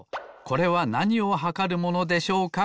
「これはなにをはかるものでしょうか？